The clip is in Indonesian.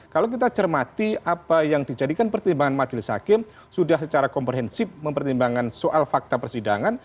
kalau kita cermati apa yang dijadikan pertimbangan majelis hakim sudah secara komprehensif mempertimbangkan soal fakta persidangan